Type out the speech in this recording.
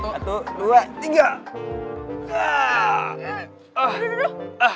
satu dua tiga